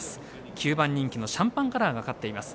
９番人気のシャンパンカラーが勝っています。